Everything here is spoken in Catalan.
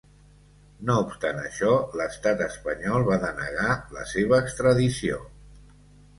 No obstant això, l’estat espanyol va denegar la seva extradició.